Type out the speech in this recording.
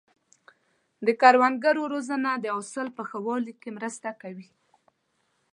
د کروندګرو روزنه د حاصل په ښه والي کې مرسته کوي.